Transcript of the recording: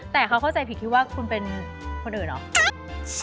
แต่เขาเข้าใจผิดคิดว่าคุณเป็นคนอื่นเหรอ